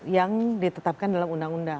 yang ditetapkan dalam undang undang